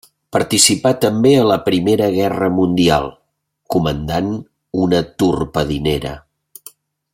Participà també a la Primera Guerra Mundial, comandant una torpedinera.